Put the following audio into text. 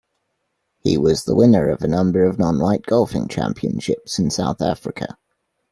He was the winner of a number of non-white golfing championships in South Africa.